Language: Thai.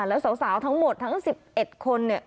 แล้วสาวทั้งหมดทั้ง๑๑คนเนี่ย